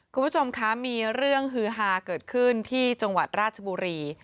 คุณผู้ชมคะมีเรื่องฮือฮาเกิดขึ้นที่จังหวัดราชบุรี